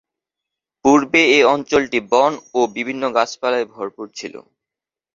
পূর্বে এ অঞ্চলটি বন ও বিভিন্ন গাছ-পালায় ভরপুর ছিলো।